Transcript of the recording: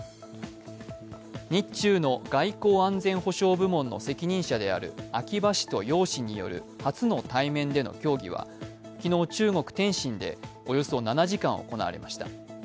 日中の外交・安全保障部門の責任者である秋葉氏と楊氏による初の対面での協議は昨日、中国天津でおよそ７時間行われました。